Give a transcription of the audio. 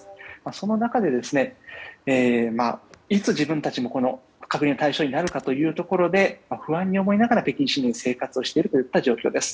その中で、いつ自分たちも隔離の対象になるかというところで不安に思いながら北京市民は生活をしているといった状態です。